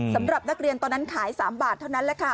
สำหรับนักเรียนตอนนั้นขาย๓บาทเท่านั้นแหละค่ะ